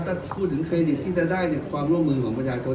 ถ้าพูดถึงเครดิตที่จะได้ความร่วมมือของประชาชน